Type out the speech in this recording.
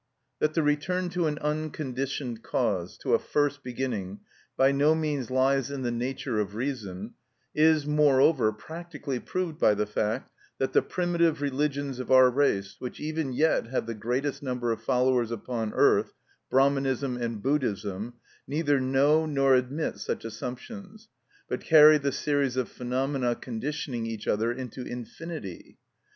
That the return to an unconditioned cause, to a first beginning, by no means lies in the nature of reason, is, moreover, practically proved by the fact that the primitive religions of our race, which even yet have the greatest number of followers upon earth, Brahmanism and Buddhaism, neither know nor admit such assumptions, but carry the series of phenomena conditioning each other into infinity.